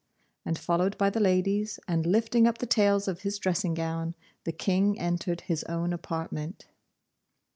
and followed by the ladies, and lifting up the tails of his dressing gown, the King entered his own apartment.